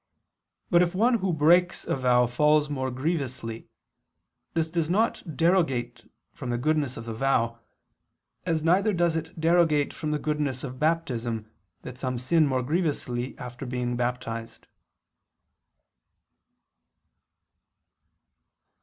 But if one who breaks a vow falls more grievously, this does not derogate from the goodness of the vow, as neither does it derogate from the goodness of Baptism that some sin more grievously after being baptized.